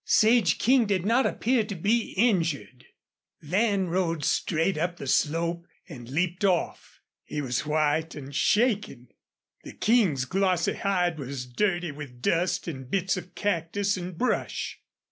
Sage King did not appear to be injured. Van rode straight up the slope and leaped off. He was white and shaking. The King's glossy hide was dirty with dust and bits of cactus and brush.